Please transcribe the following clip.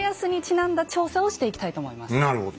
なるほど。